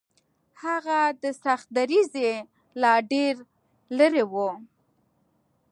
هغه د سختدریځۍ لا ډېر لرې و.